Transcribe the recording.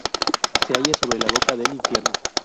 Se halla sobre "la boca del infierno".